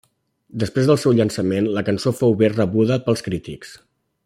Després del seu llançament, la cançó fou bé rebuda pels crítics.